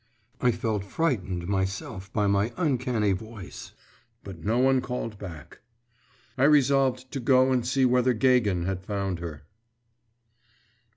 I felt frightened myself by my uncanny voice, but no one called back. I resolved to go and see whether Gagin had found her.